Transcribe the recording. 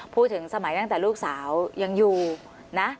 พูดถึงสมัยตั้งแต่ลูกสาวยังอยู่นะ